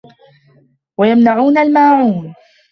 وَيَمنَعونَ الماعونَ